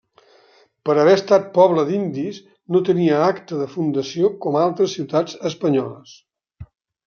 Per haver estat pobla d'indis no tenia acta de fundació com altres ciutats espanyoles.